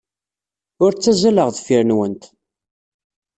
Ur ttazzaleɣ deffir-nwent.